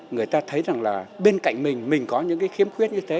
người ta thấy rằng là bên cạnh mình mình có những cái khiếm khuyết như thế